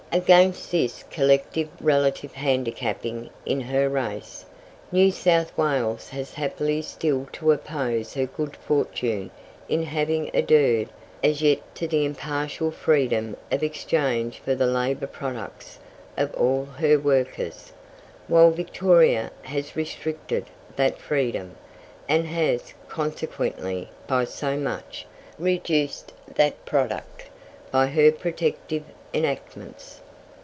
Against this collective relative handicapping in her race, New South Wales has happily still to oppose her good fortune in having adhered as yet to the impartial freedom of exchange for the labour products of all her workers, while Victoria has restricted that freedom, and has, consequently, by so much, reduced that product, by her protective enactments.